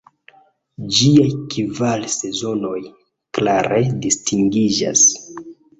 Ĝiaj kvar sezonoj klare distingiĝas.